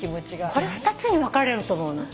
これ２つに分かれると思うの。